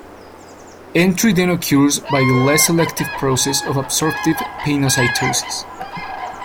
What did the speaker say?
Entry then occurs by the less selective process of absorptive pinocytosis.